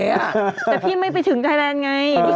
แต่พี่ไม่ไปถึงไทยแลนด์ไง